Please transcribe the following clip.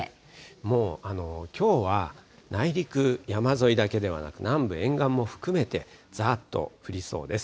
もうきょうは、内陸、山沿いだけではなく、南部沿岸も含めて、ざーっと降りそうです。